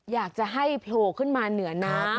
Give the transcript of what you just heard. อยากจะให้พอยุตรมาเหนือน้ำ